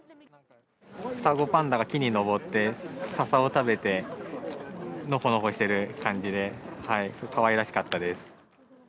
双子パンダが木に登って、ささを食べて、のこのこしてる感じで、かわいらしかったです。